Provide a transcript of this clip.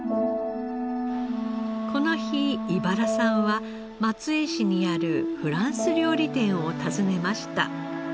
この日井原さんは松江市にあるフランス料理店を訪ねました。